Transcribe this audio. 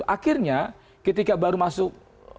akhirnya ketika baru masuk